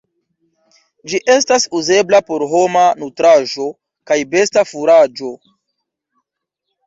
Ĝi estas uzebla por homa nutraĵo kaj besta furaĝo.